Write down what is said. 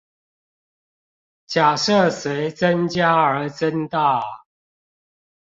假設隨增加而增大